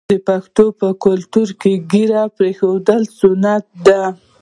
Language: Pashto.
د پښتنو په کلتور کې د ږیرې پریښودل سنت دي.